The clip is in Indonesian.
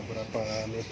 berapa titik ledakan itu